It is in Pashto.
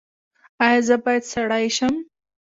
ایا زه باید سړی شم؟